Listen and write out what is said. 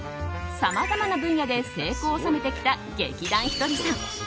さまざまな分野で成功を収めてきた劇団ひとりさん。